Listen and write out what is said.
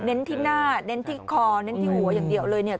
ที่หน้าเน้นที่คอเน้นที่หัวอย่างเดียวเลยเนี่ย